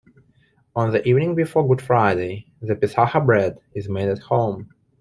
On the evening before Good Friday the Pesaha bread is made at home.